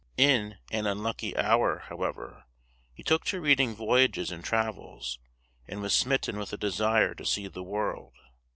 In an unlucky hour, however, he took to reading voyages and travels, and was smitten with a desire to see the world.